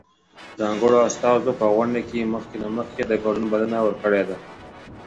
ځانګړو استازو په غونډه کې مخکې له مخکې د ګډون بلنه ورکړې ده.